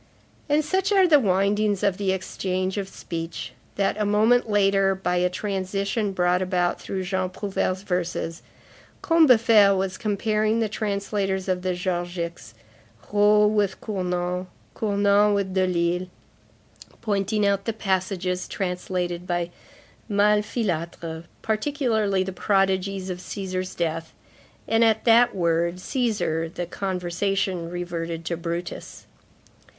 And, such are the windings of the exchange of speech, that, a moment later, by a transition brought about through Jean Prouvaire's verses, Combeferre was comparing the translators of the Georgics, Raux with Cournand, Cournand with Delille, pointing out the passages translated by Malfilâtre, particularly the prodigies of Cæsar's death; and at that word, Cæsar, the conversation reverted to Brutus.